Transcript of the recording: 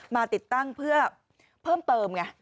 มาติดตั้งเพื่อเพิ่มเติมไง